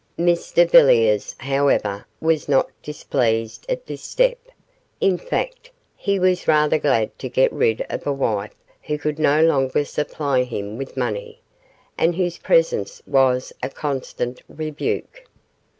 Mr Villiers, however, was not displeased at this step; in fact, he was rather glad to get rid of a wife who could no longer supply him with money, and whose presence was a constant rebuke.